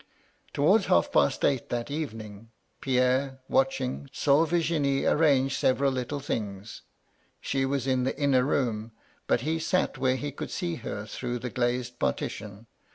Towards half past eight that evening — ^Pierre, watching, saw Virginie arrange several little things— she was in the inner room, but he sat where he could see her through the glazed partition.